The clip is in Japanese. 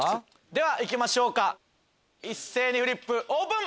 ではいきましょうか一斉にフリップオープン！